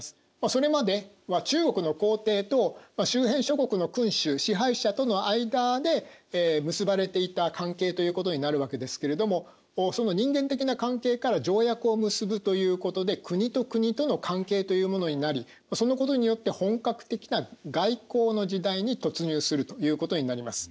それまでは中国の皇帝と周辺諸国の君主支配者との間で結ばれていた関係ということになるわけですけれどもその人間的な関係から条約を結ぶということで国と国との関係というものになりそのことによって本格的な外交の時代に突入するということになります。